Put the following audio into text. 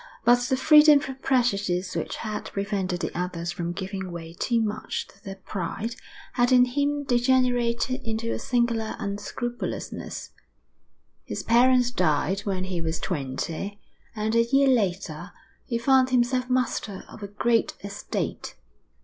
But the freedom from prejudice which had prevented the others from giving way too much to their pride had in him degenerated into a singular unscrupulousness. His parents died when he was twenty, and a year later he found himself master of a great estate.